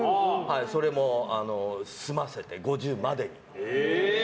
それも済ませて５０までに。